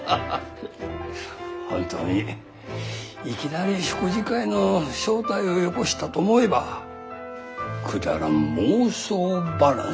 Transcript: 本当にいきなり食事会の招待をよこしたと思えばくだらん妄想話。